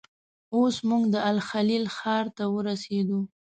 اوس موږ د الخلیل ښار ته ورسېدو.